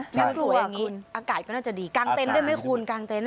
ช่างสวยแบบนี้อากาศก็น่าจะดีกางเต็นต์ได้ไหมคุณกางเต็นต์น่ะ